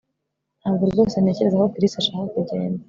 Ntabwo rwose ntekereza ko Chris ashaka kugenda